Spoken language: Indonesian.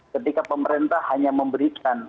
ketika pemerintah hanya memberikan